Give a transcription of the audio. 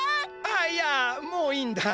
あっいやもういいんだ。